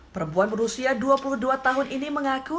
perempuan berusia dua puluh dua tahun ini mengaku